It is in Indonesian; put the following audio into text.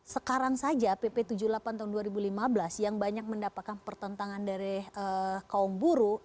sekarang saja pp tujuh puluh delapan tahun dua ribu lima belas yang banyak mendapatkan pertentangan dari kaum buruh